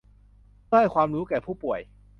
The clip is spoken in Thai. เพื่อให้ความรู้แก่ผู้ป่วย